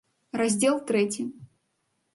РАЗДЗЕЛ ТРЭЦІ.